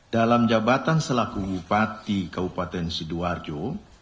dalam jabatan selaku bupati kabupaten sidoarjo